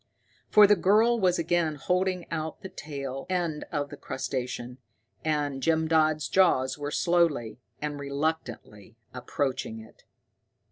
For the girl was again holding out the tail end of the crustacean, and Jim Dodd's jaws were slowly and reluctantly approaching it.